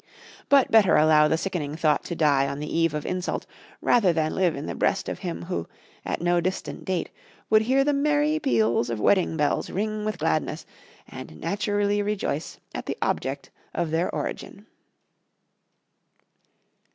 But better allow the sickening thought to die on the eve of insult rather than live in the breast of him who, at no distant date, would hear the merry peals of wedding bells ring with gladness, and naturally rejoice at the object of their origin.